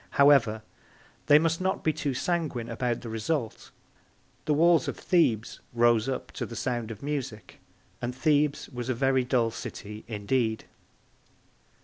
However, they must not be too sanguine about the result. The walls of Thebes rose up to the sound of music, and Thebes was a very dull city indeed.